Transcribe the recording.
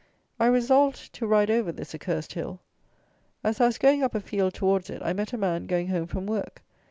I resolved to ride over this Accursed Hill. As I was going up a field towards it, I met a man going home from work.